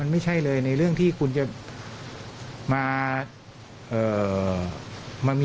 ไม่ใช่เลยในเรื่องที่คุณจะมามี